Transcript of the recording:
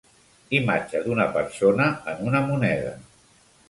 Imatge d'una persona en una moneda.